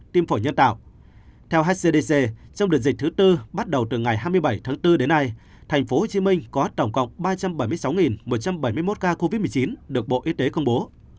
theo hcdc trong đợt dịch thứ bốn bắt đầu từ ngày hai mươi bảy tháng bốn đến nay tp hcm có tổng cộng ba trăm bảy mươi sáu một trăm bảy mươi một ca covid một mươi chín được bộ y tế công bố